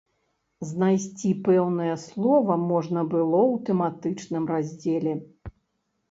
Знайсці пэўнае слова можна было ў тэматычным раздзеле.